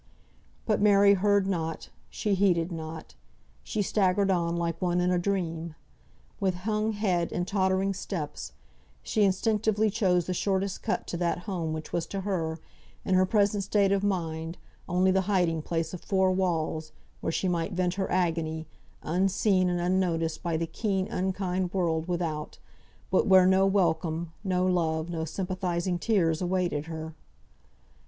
But Mary heard not, she heeded not. She staggered on like one in a dream. With hung head and tottering steps, she instinctively chose the shortest cut to that home, which was to her, in her present state of mind, only the hiding place of four walls, where she might vent her agony, unseen and unnoticed by the keen, unkind world without, but where no welcome, no love, no sympathising tears awaited her.